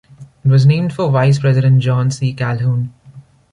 It was named for Vice President John C. Calhoun.